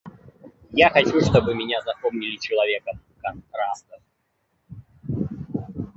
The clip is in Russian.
Я хочу, чтобы меня запомнили человеком контрастов.